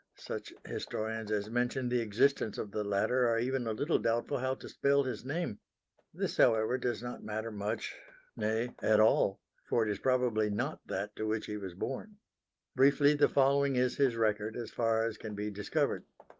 Such historians as mention the existence of the latter are even a little doubtful how to spell his name. This, however, does not matter much nay, at all, for it is probably not that to which he was born. Briefly the following is his record as far as can be discovered.